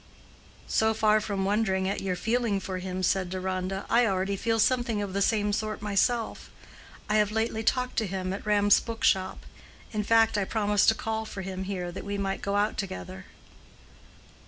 "So far from wondering at your feeling for him," said Deronda, "I already feel something of the same sort myself. I have lately talked to him at Ram's book shop—in fact, I promised to call for him here, that we might go out together."